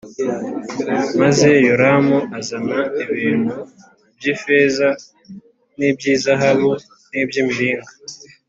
Maze Yoramu azana ibintu by’ifeza n’iby’izahabu n’iby’imiringa.